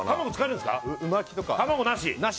卵なし？